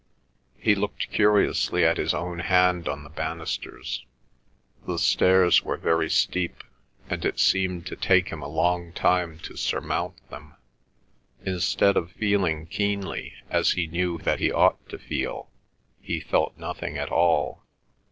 He looked curiously at his own hand on the banisters. The stairs were very steep, and it seemed to take him a long time to surmount them. Instead of feeling keenly, as he knew that he ought to feel, he felt nothing at all.